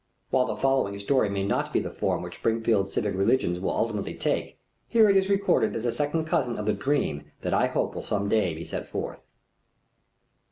While the following story may not be the form which Springfield civic religion will ultimately take, it is here recorded as a second cousin of the dream that I hope will some day be set forth.